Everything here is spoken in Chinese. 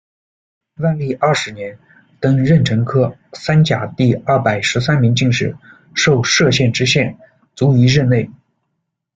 万历二十年，登壬辰科三甲第二百十三名进士，授歙县知县，卒于任内。